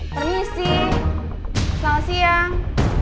permisi selamat siang